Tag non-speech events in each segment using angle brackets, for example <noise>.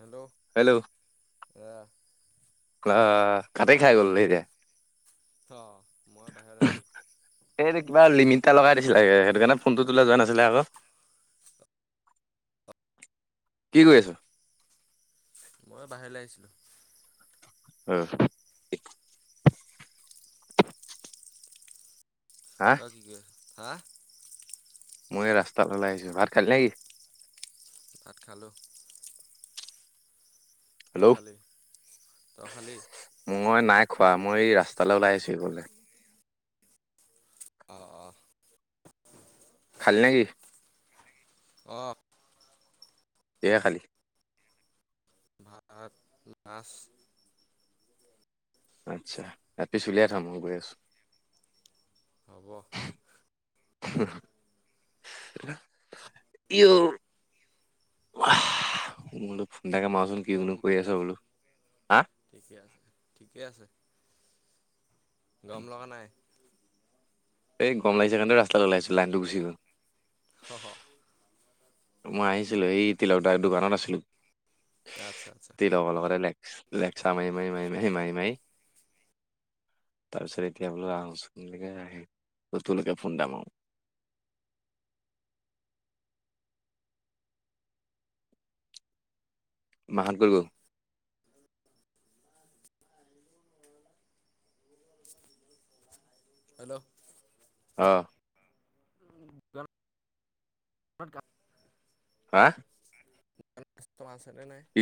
Hello hello? এয়া কোৱ কাটে খাই গ'ল এতিয়া। অ', মই বাহিৰত আছিলোঁ। এই যে কিবা লিমিট এটা লগাই দিছে চাগে। সেইটো কাৰণে ফোনটো তোলে যোৱা নাছিলে আক। কি কৰি আছ? মই বাহিৰলে আহিছিলোঁ। অ' <unintelligible> হা তই কি কৰি আছ? হা? মই ৰাস্তাত ওলাই আহিছোঁ। ভাত খালি নেকি? ভাত খালোঁ। হেল্ল' তই খালি? তই খালি? মই নাই খোৱা। মই এই ৰাস্তালৈ ওলাই আহিছোঁ অকলে। অ' - অ'। খালি নেকি? অ'। কিহে খালি? ভাত মাছ আচ্ছা এপিচ উলিয়াই থ মই গৈ আছো হ'ব ই অ বোলো ফোন এটাকে মাৰোচোন কিকোনো গৰম কৰি আছ বোলো হা ঠিকে আছে ঠিকে আছে গৰম লগা নাই। এই গৰম লাগিছে কাৰণে ৰাস্তাত ওলাই আহিছোঁ লাইনটো গুচি গল স স মই আহিছিলো এই তিলক দাৰ দোকানত আছিলো আচ্ছা আচ্ছা তিলকৰ লগতে লে লেকচাৰ মাৰী মাৰী মৰী মাৰী মাৰী মাৰি তাৰ পিছত এতিয়া বোলো আহচোনকে আহ ত তুলোকে ফোন এটা মাৰো <unintelligible> মাহত ক'ত গল হেল্ল'। আহ। <unintelligible> হা। কি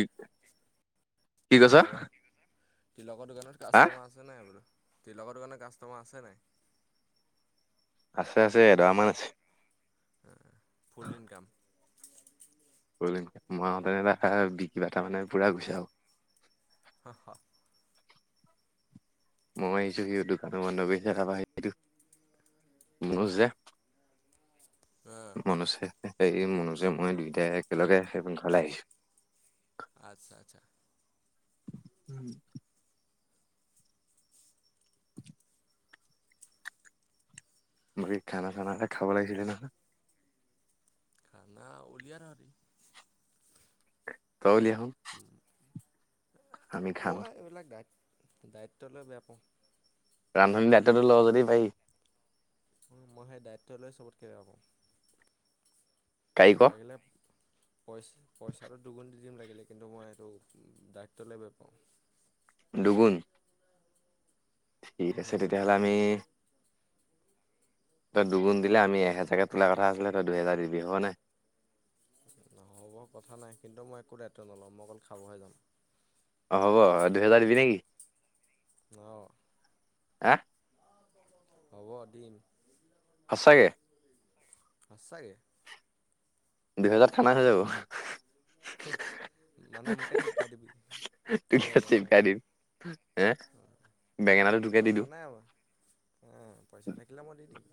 কি কৈছ তিলকৰ দোকানত হা কাষ্টমাৰ আছে নাই বোলো তিলকৰ দোকানত কাষ্টমাৰ আছে নাই। আছে আছে এডৰা মান আছে। ফুল ইনকাম। <unintelligible> হ। মই আহিছো সিহঁতৰ দোকানো বন্ধ কৰিছে তাবা সিটো। মনুজ দে, মনুছে। সেই মনোজে মই দুয়োটাই একেলগে সেই পান ঘলে আহিছো। আচ্ছা আচ্ছা। উম। বাকি খানা চানা এটা খাব লাগিছিলে নহয়। খানা উলিয়া তহতি। তই উলিয়া ক, আমি খাম। মই এইবিলাক দায়িত দায়িত্ব লৈ বেয়া পাওঁ। ৰান্ধনী দায়িত্বতো লওঁ যদি পাৰি। মই সেই দায়িত্ব লৈ চবতকে বেয়া পাও। কাৰিকৰ লাগিলে পইচা পইচাটো দুগুণ দি। দিম লাগিলে কিন্তু মই সেইটো দায়িত্বলৈ বেয়া পাওঁ। দুগুণ। ঠিক আছে উম, তেতিয়াহ'লে আমি। তই দুগুণ দিলে আমি এহেজাৰকে তোলাৰ কথা আছিলে তই দুহেজাৰ দিবি হ'বনে। নহ'ব কথা নাই কিন্তু মই একো দায়িত্ব নলও মই অকল খাবহে যাম। অ হ'ব দুহেজাৰ দিবি নেকি। অৱ। হা। হ'ব দিম। সঁচাকে সঁচাকে দুহেজাৰ খানা হৈ যাব। <unintelligible> মোকে চিপকাই দিবি বেঙেনা <unintelligible> বেঙেনাটো তোকে দি কথা দিওঁ নাই আমাৰ হ পইচা থাকিলে মই দি দিম।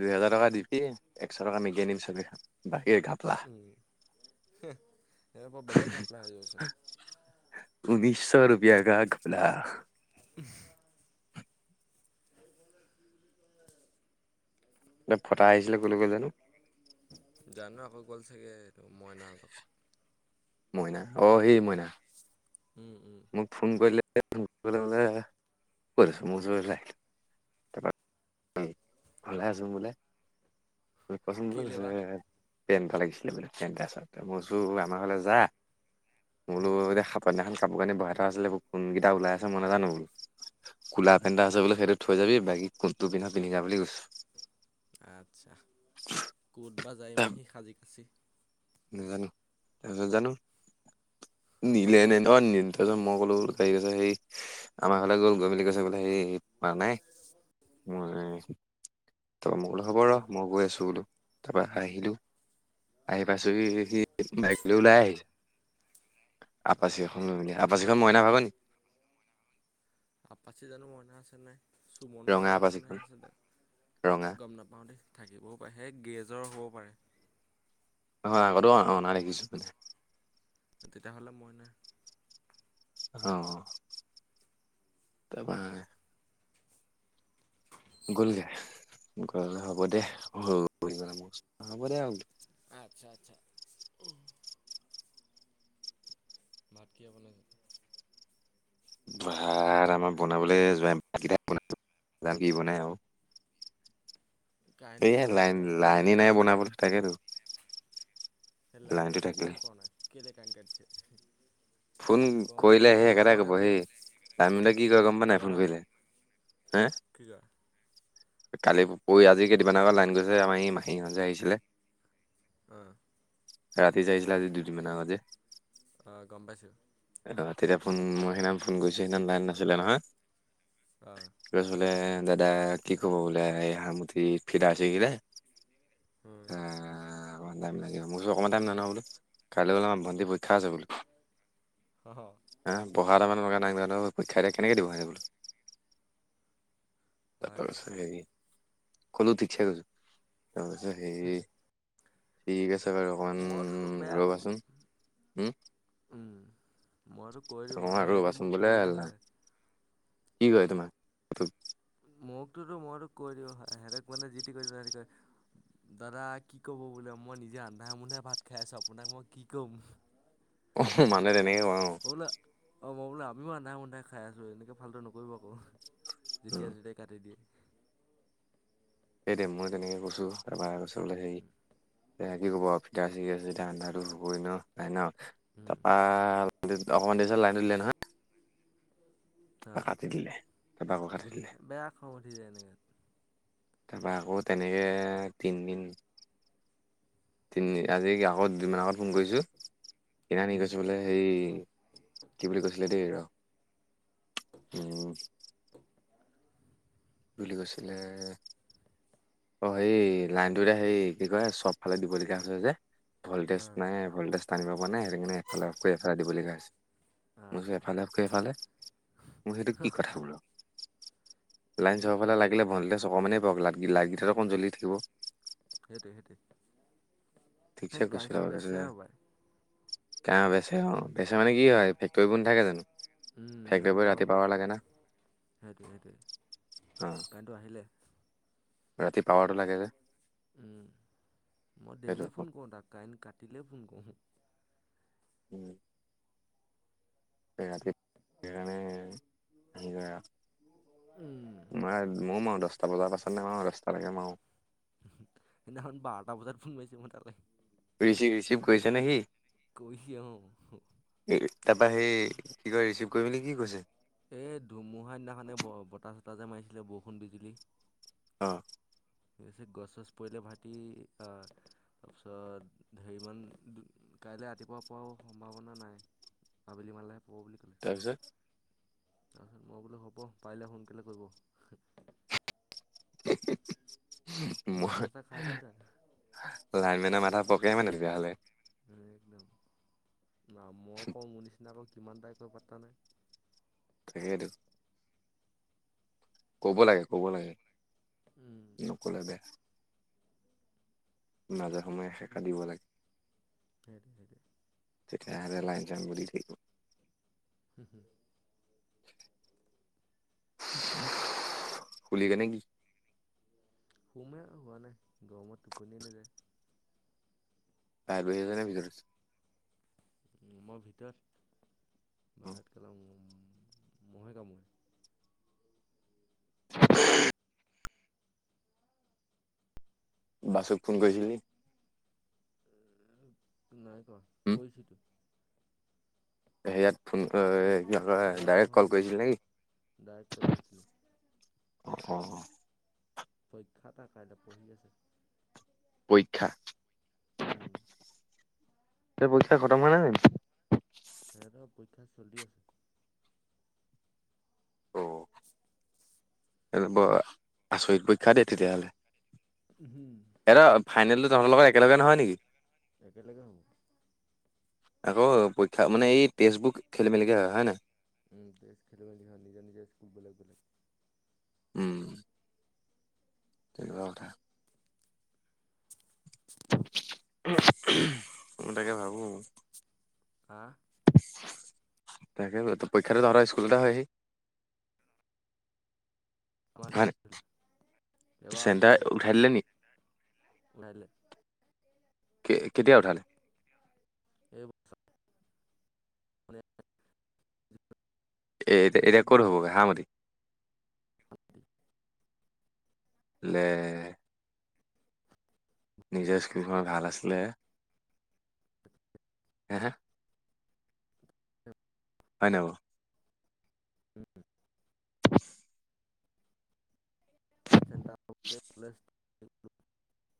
দুই হোজাৰ টকা দিবি একশ টকা মেগি নিম চব বাকীৰ গাপলা। এ বেলেগ ঘাপলাই হৈ যাবচোন। চ ৰূপয়া কা ঘাপলা। উ। এ ফটা আহিছিলে ক'লৈ গ' জানো। জানো আকৌ গ'ল চাগে মইনা তত। মইনা অ সেই মইনা। উম উম, মোক ফোন কৰিলে ফ বলে কৰিছো মোৰ চ ল তাৰপ ভালে আছো বোলে। কেলে বা পচন্দন্দছে। পেণ্ট লাগিছিলে বোলে পেণ্ট এটা আচতে মোৰ জো আমাৰ হলে যা। বোলো অঁ এ দে পতনাখখন কাপোৰ কানি বহ এ থ আছিলে কোনকেইটা ওলাই আছে মই নাজানো বোল। কুলা পেন্টা আছে সেইটো থৈ যাবি বাকী কোনটো পিন্ধ পিন্ধি য বুলি কৈছো। আচ্ছা ক'ত বা যায় ইমান সি সাজি ক আচি নেজানো নেজানো অহ নিলে নে অ নিল। তাৰপিছত মই ক'লোঁ তাই কৈছে সৰি আমাৰ ফালে গ'ল গৈ মেলি কৈছে বোলে সেই পা নাই। মই ত মই কলো হ'ব ৰ মই গৈ আছো বোলো তাৰপৰা আহিলো আহি। পাইছোসি সি বাইক লৈ ওলাই আহিছ আপাচি আহ এখন লৈ মেলি। আপাচিখন মইনা ভাগনি। আপাচি জানো মইনাই চলায়। ৰঙা চুমনৰ আপাচিখন এখনহে আছে দে ৰঙা গম নাপাওঁ দেই। থাকিবও পাৰে সেই গেৰেজৰ হ'বও পাৰে। নহয় অ কতো অ অনা দেখিছো। <unintelligible> অ তাৰপা। গলগে গল হ'ব দে অঁ সৰু হ'ব দে আৰু। আচ্ছা আচ্ছা। ভাত কিয় বনালী। ভাত আমাৰ বনাবলৈ যোৱ যাম কি বনাই আক। কাৰেণ্টটো এইয় গ'ল লাইন এতিয়া অহা লাইনে বোলে নাই বনাবলৈ তাকেতো। লাইনটো লাইন্মেনক থাকিলে ফোন কৰ না কেলে কাইন কাটছে। ফোন কৰিলে সেই থাকিব একেটাই পৰা নাই কব বুলি ক সেই টাইমিতে কি কয় গম পা নাই কিবা ফোন এটা কৰিলে। হে কি কয়। কালি পৰি আজি কেইদিনমান আগত লাইন গৈছে। আমাৰ ই মাহীহত যে আহিছিলে। আহ। ৰাতি যে আহিছিলে আজি দুদিনমান আগত যে। অঁ গম পাইছোঁ অ তেতিয়া ফোন মই সেইদিনা ফোন কৰিছো সেইদিনা লাইন নাছিলে নহয়। অঁ কি কৈছিলে। দাদা কি ক'ব বোলে এই সামঠি ফিদা ছিঙিলে। অঁ। অণমান টাইম লাগে। মই কৈছোঁ অকমান টাইম নওঁ বোলো কাইলে বুলো ভণ্টি পৰীক্ষা আছে বোলো। হ হ। হা পঢ়া এটামান লগা নাই জ পৰীক্ষা এতিয়া কেনেকৈ দিব স বোলো। হয়তো তাৰপছ হেৰি ক'লো ঠিকঠ কৰিছ। অ সেৰি ঠিক আছে। বাৰু অকমান ম ততো বেয়া ৰ'বাচোন উম কৰিম। উম মইতো কৈ দিওঁ অকমান সিহতি ৰ'বাচোন মোক বোলে কলগীয়া হয়। কি কয় তোমাক তোক। মোকতোতো মইতো কৈ দিওঁ ভাই হেতেক মানে যি টি কয় দিও হেতি কয়। দাদা কি ক'ব বোলে মই নিজে আন্ধা আমন্ধে ভাত খাই আছো আপোনাক মই কি ক'ম। আহ মানহ তেনেকে কয় অ। বোলো অ মই বোলো আমিও আন্ধা মুন্ধাই খাই আছোঁ এনেকৈ ফালটো নকৰিব আকৌ যেতিয়া উম তেতিয়াই কাটি দিয়ে। সেইতে মই তেনেকে কৈছোঁ এবাৰ কৈছে বোলে হেৰি। এ কি কব আৰু ফিতা চিগি আছেয়া অন্ধা টো হবই ন ন। উম তাৰপা অকমান দেৰিচত লাইনত উিলে নহয়। তাপ অ কাট দিলে। তাৰপা আকৌ কাটি দিলে বেয়া খং উঠি যায় এনেক। তাৰপা আকৌ তেনেকে তিনিদিন। তিনি আজি আগত দু মান আগত ফোন কৰিছো। সনানি উম কৈছো বোলে সেই কি বুলি কৈছিলে দেই ৰ। উম। বুলি কৈছিলে। অ হেৰী লাইনটোত হেৰী কি কয় চব ফালে দিবলগীয়া হৈছে যে। ভল্টেজ অ নাই ভল্টেজ টানিব পৰা নাই সেইটোকাৰণে এফালে অফ কৰি এফালে দিবলগীয়া হৈছে। মই কইছো আচ্ছা এফালে অফ কৰি এফালে মই কইছো সেইটো কি কথা বোলো। লাইন হেৰি চব ফালে লাগিলে বে- ভল্টেজ অকণমানে পাব লাইট‌ গিটা অকণমান জ্বলি থাকিব। সেইটোৱেই সেইটোৱেই। ঠিকছে কৈছিলা আৰু বেছি নাই। কাহ বেছি হ'ল। বেছি মানে কি উম হয় ফেক্টৰীবোৰ নথাকে জানো ফেক্টৰীবোৰ ৰাতিপুৱা লাগে না। সেইটোৱেই সেইটোৱেই অ কাৰেণ্ট আহিলে। ৰাতি পাৱাৰটো লাগে যে। মই সেইটো ডেইলি ফোন কৰোঁ তাক কাইণ্ট কাটিলে ফোন কৰোঁ। উম। এই ৰাতি সেই কাৰণে। ওম আহিবা উম, মইও আৰু দশটা বজাৰ পাছত। মানে আৰু দশটা লাগে আৰু। সেইদিনাখন বাৰটা বজাত ফোন মাৰিছো তালে। ৰিচিভ ৰিচিভ কৰিছে নে সি। কৰিছে অহ। তাৰপৰা সেই কি কয় ৰিচিভ কৰি পিনে কি কৈছে। এই ধুমুহা দিনাখনে ব বতাহ চতাহ যে মাৰিছিলে বৰষুণ বিজুলী। অ। পিছে গছ চছ পৰিলে ভাইটি আ তাৰপিছত হেৰিমান। কাইলৈ ৰাতিপুৱা পোৱাও সম্ভাৱনা নাই আবেলি মানে। তাৰপিছত। তাৰপিছত মই বোলে হ'ব পাৰিলে সোনকালে কৰিব। মাথা মই চাথা খাই দিওঁ তাক লাইনমেনৰ মাথা। বকে মানে তেতিয়া হ'লে। একদম না মই কওঁ মোৰ নিচিনা আকৌ। কিমানটাই কয় পত্তা নাই। তাকে তো। কব লাগে কব লাগে উম, নকলে বেয়া। মাজে সময়ে শেষা দিব লাগে। সেইটোৱেই হেৰি। তেতিয়া হলে লাইন চাইনবোৰ দি থাকিব। Home home. <unintelligible> ফুলি কেনে কি। সোমেই শুৱা নাই গৰমত টোপনিয়ে নাযায়। বাহিৰত বহি আছা নে ভিতৰত আছা। উম মই ভিতৰত আছোঁ অ বাহিৰত গেলা ওম। মহে কামুৰিছে। <unintelligible> বাছুক ফোন কৰিছিলি নিকি এ নাই কোৱা কৰিছিলোঁ। হেয়াত ফোন অ। কি কয় ইয়াত ডাইৰেক্ট কল নহয় কৰিছিলি নেকি? ডাইৰেক্ট কল কৰিছিলোঁ। অ। পৰীক্ষা তাৰ কাইলৈ পঢ়ি আছে। পৰীক্ষা উম পৰীক্ষা খতম হৱা নাই নিকি সিহঁতৰ পৰীক্ষা চলি আছে। অ বৰ আচৰিত পৰীক্ষা দে তেতিয়াহ'লে। উম হুম এৰা ফাইনেলটো তহঁতৰ লগত একেলগে নহয় নেকি একেলগে হ'ব আকৌ পৰীক্ষা মানে এই টেষ্ট বুক খেলি মেলি মেলিকে হয় হয় নাই <unintelligible> উম তেনকা কথা ম তাকে ভাবো আহ তাকে পৰীক্ষা ধৰা সদায় স্কুলতে হয়হি আমাৰ <inaudible> হয় ন চেণ্টাৰ উঠাই দিলে নি নাইলৈ কেতিয়া উঠালে এইবোৰ মান এ এতিয়া এতিয়া ক'ত দিয়া হ'ব হা মতি <unintelligible> লে মই ভাল আছিলে হ হয় নাই বাৱ উম <unintelligible>